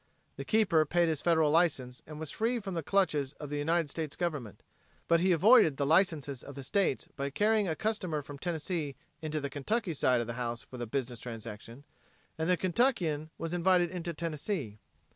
The keeper paid his federal license and was free from the clutches of the United States Government. But he avoided the licenses of the states by carrying a customer from Tennessee into the Kentucky side of the house for the business transaction, and the Kentuckian was invited into Tennessee.